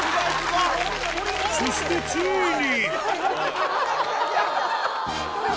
そしてついに。